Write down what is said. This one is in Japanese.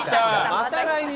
また来た！